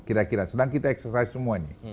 kira kira sedang kita eksersis semua ini